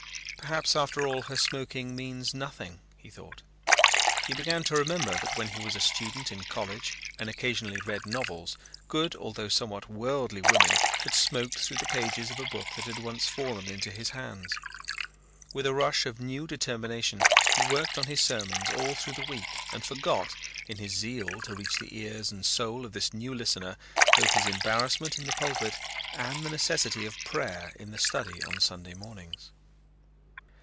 "Perhaps after all her smoking means nothing," he thought. He began to remember that when he was a student in college and occasionally read novels, good, although somewhat worldly women, had smoked through the pages of a book that had once fallen into his hands. With a rush of new determination he worked on his sermons all through the week and forgot, in his zeal to reach the ears and the soul of this new listener, both his embarrassment in the pulpit and the necessity of prayer in the study on Sunday mornings.